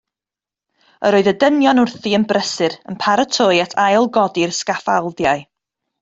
Yr oedd y dynion wrthi yn brysur yn paratoi at ail godi'r sgaffaldiau.